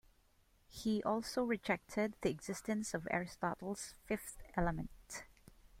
He also rejected the existence of Aristotle's fifth element.